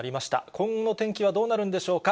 今後の天気はどうなるんでしょうか。